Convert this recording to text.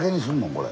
これ。